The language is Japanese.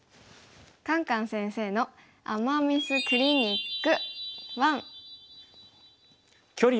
「カンカン先生の“アマ・ミス”クリニック１」。